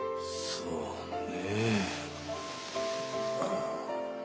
そうね。